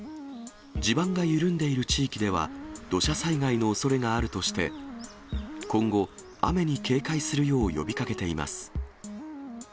地盤が緩んでいる地域では土砂災害のおそれがあるとして、今後、雨に警戒するよう呼びかけています。